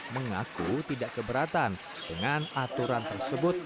mengaku tidak keberatan dengan aturan tersebut